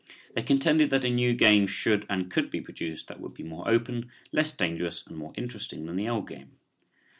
They contended that a new game should and could be produced that would be more open, less dangerous and more interesting than the old game.